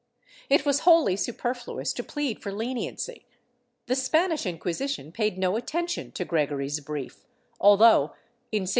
^ It was wholly superfluous to plead for leniency. The Spanish Inquisition paid no attention to Gregory's brief, although, in 1629, 1 Archivo de Simancas, Inq.